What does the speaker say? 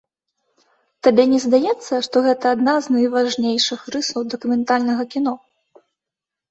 Табе не здаецца, што гэта адна з найважнейшых рысаў дакументальнага кіно?